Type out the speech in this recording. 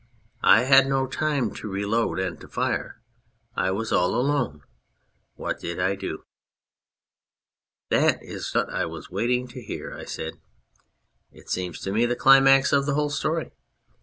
I had no time to reload and to fire. I was all alone. What did I do ?" "That is what I was waiting to hear," I said. " It seems to me the climax of the whole story.